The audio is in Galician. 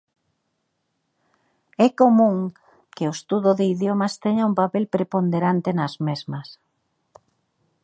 É común que o estudo de idiomas teña un papel preponderante nas mesmas.